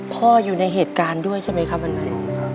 อยู่ในเหตุการณ์ด้วยใช่ไหมครับวันนั้น